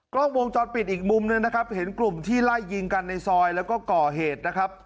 กล้องวงจรปิดอีกมุมหนึ่งนะครับเห็นกลุ่มที่ไล่ยิงกันในซอยแล้วก็ก่อเหตุนะครับ